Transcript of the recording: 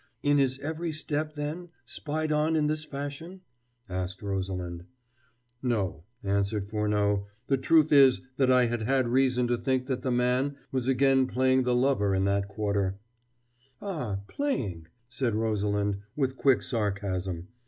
"Is his every step, then, spied on in this fashion?" asked Rosalind. "No," answered Furneaux. "The truth is that I had had reason to think that the man was again playing the lover in that quarter " "Ah, playing," said Rosalind with quick sarcasm.